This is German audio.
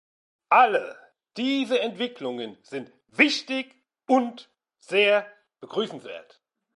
Alle diese Entwicklungen sind wichtig und sehr begrüßenswert.